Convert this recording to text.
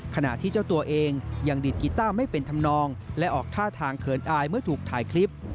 ขณะที่เจ้าตัวเองยังดีดกีต้าไม่เป็นธรรมนองและออกท่าทางเขินอายเมื่อถูกถ่ายคลิป